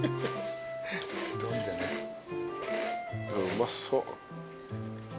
うまそう。